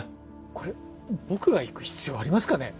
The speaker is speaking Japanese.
これ僕が行く必要ありますかね？